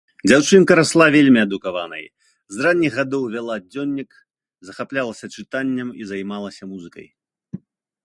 Дзяўчынка расла вельмі адукаванай, з ранніх гадоў вяла дзённік, захаплялася чытаннем і займалася музыкай.